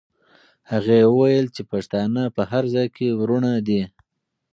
هغې وویل چې پښتانه په هر ځای کې وروڼه دي.